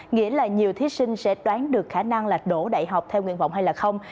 nghĩa là nhiều thí sinh sẽ toán được khả năng là đổ đại học theo nguyện vọng hay không